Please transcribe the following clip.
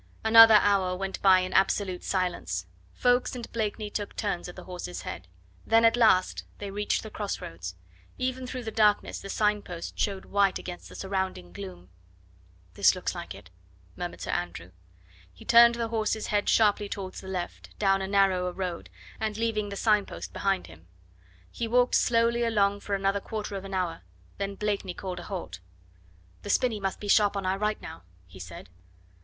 Another hour went by in absolute silence. Ffoulkes and Blakeney took turns at the horse's head. Then at last they reached the cross roads; even through the darkness the sign post showed white against the surrounding gloom. "This looks like it," murmured Sir Andrew. He turned the horse's head sharply towards the left, down a narrower road, and leaving the sign post behind him. He walked slowly along for another quarter of an hour, then Blakeney called a halt. "The spinney must be sharp on our right now," he said.